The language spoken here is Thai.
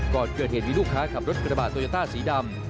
ก่อนเกิดเหตุมีลูกค้าขับรถกระบาดโตโยต้าสีดำ